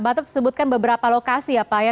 bapak sebutkan beberapa lokasi ya pak ya